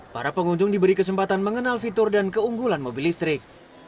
para pengunjung diberi kesempatan mengenal fitur dan keunggulan mobil listrik